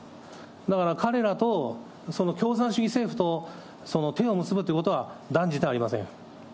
だから、彼らと、共産主義政府と手を結ぶということは断じておりません。